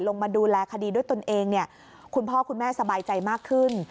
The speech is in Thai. ลงมาดูแลคดีด้วยตนเองเนี่ยคุณพ่อคุณแม่สบายใจมากขึ้น